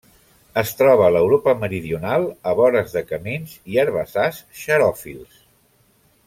Es troba a l'Europa meridional a vores de camins i herbassars xeròfils.